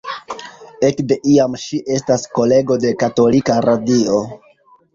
Ekde iam ŝi estas kolego de katolika radio.